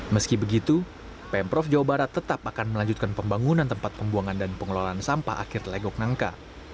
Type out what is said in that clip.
meski begitu pemprov jawa barat tetap akan melanjutkan pembangunan tempat pembuangan dan pengelolaan sampah akhir legok nangka